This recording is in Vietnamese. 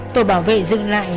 tổ bảo vệ dừng lại